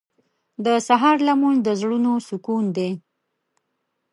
• د سهار لمونځ د زړونو سکون دی.